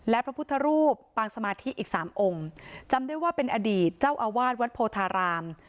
และพระพุทธรูปปางสมาธิอีกสามองค์จำได้ว่าเป็นอดีตเจ้าอาวาสวัดโพธาราม